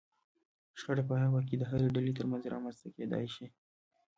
شخړه په هر وخت کې د هرې ډلې ترمنځ رامنځته کېدای شي.